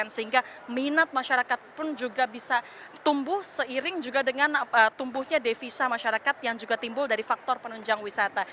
sehingga minat masyarakat pun juga bisa tumbuh seiring juga dengan tumbuhnya devisa masyarakat yang juga timbul dari faktor penunjang wisata